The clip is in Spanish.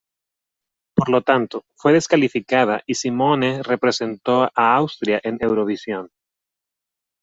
Por lo tanto, fue descalificada y Simone representó a Austria en Eurovisión.